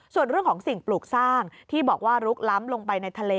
ส่วนเรื่องของสิ่งปลูกสร้างที่บอกว่าลุกล้ำลงไปในทะเล